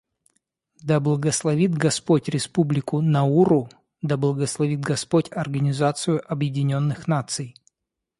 Да благословит Господь Республику Науру, да благословит Господь Организацию Объединенных Наций!